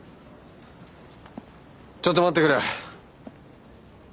ちょっと待ってくれ！